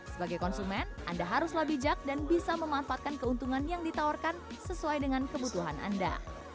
sebagai konsumen anda haruslah bijak dan bisa memanfaatkan keuntungan yang ditawarkan sesuai dengan kebutuhan anda